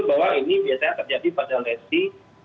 bahwa ini biasanya terjadi pada lesi